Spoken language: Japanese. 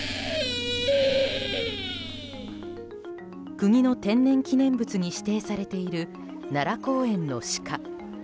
国の天然記念物に指定されている奈良公園のシカ。